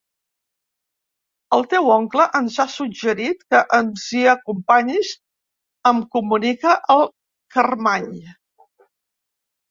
El teu oncle ens ha suggerit que ens hi acompanyis —em comunica el Carmany.